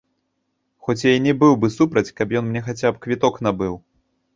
Хоць я і не быў бы супраць, каб ён мне хаця б квіток набыў.